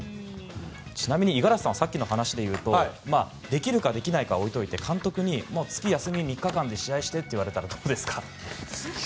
ちなみに五十嵐さんはさっきの話でいうとできるかできないかは置いといて監督に、もう月休み３日間で試合してといわれたらどうですか？